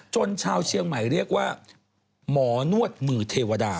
ชาวเชียงใหม่เรียกว่าหมอนวดมือเทวดา